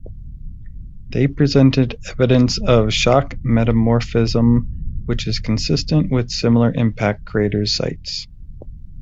They presented evidence of shock metamorphism, which is consistent with similar impact crater sites.